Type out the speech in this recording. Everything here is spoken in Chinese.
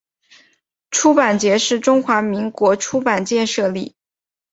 出版节是中华民国出版界设立。